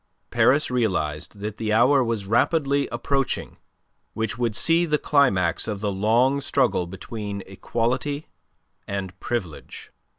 Paris realized that the hour was rapidly approaching which would see the climax of the long struggle between Equality and Privilege.